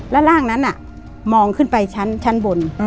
แล้วร่างนั้นน่ะมองขึ้นไปชั้นชั้นบน